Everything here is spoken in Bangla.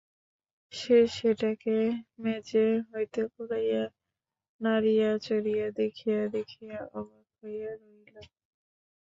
সে সেটাকে মেজে হইতে কুড়াইয়া নাড়িয়া চড়িয়া দেখিয়া দেখিয়া অবাক হইয়া রহিল।